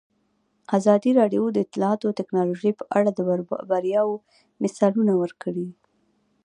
ازادي راډیو د اطلاعاتی تکنالوژي په اړه د بریاوو مثالونه ورکړي.